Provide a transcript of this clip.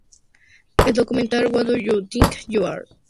El documental "Who Do You Think You Are?